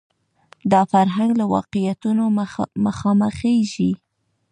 دا فرهنګ له واقعیتونو مخامخېږي